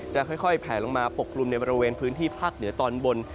จะค่อยแผลลงมาปกกลุ่มในบริเวณพื้นที่ภาคเหนือตอนบน